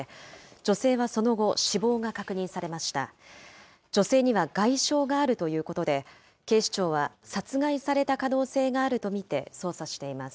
女性には外傷があるということで、警視庁は殺害された可能性があると見て捜査しています。